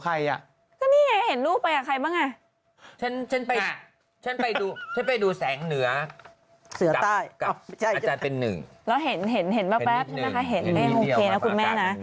ครูนี้เขารู้จักกันจากร่วมงานกัน